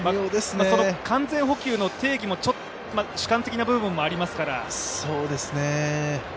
完全捕球の定義も主観的な部分もありますから。